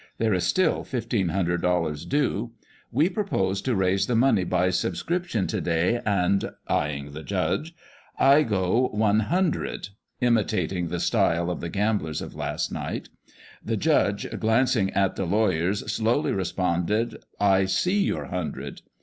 There is still fifteen hundred dollars due. We propose to raise the money by subscription to day, and" (eyeing the judge) " I go one hundred" (imitating the style of the gamblers of last night). The judge, glanc ing at the lawyers, slowly responded, "I see your hundred."